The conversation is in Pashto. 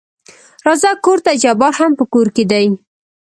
راځه کورته جبار هم په کور کې دى.